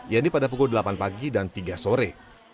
yaitu pada pukul delapan pagi dan tiga sore